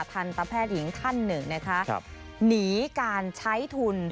พันธุ์ตำแพทย์หญิงท่านหนึ่งหนีการใช้ทุน